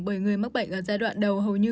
bởi người mắc bệnh ở giai đoạn đầu hầu như